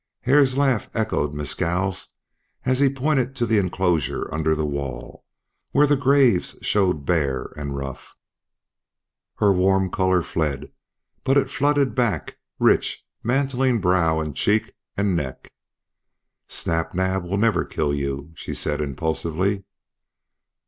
Hare's laugh echoed Mescal's as he pointed to the enclosure under the wall, where the graves showed bare and rough. Her warm color fled, but it flooded back, rich, mantling brow and cheek and neck. "Snap Naab will never kill you," she said impulsively.